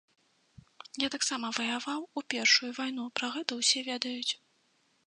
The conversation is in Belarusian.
Я таксама ваяваў у першую вайну, пра гэта ўсе ведаюць.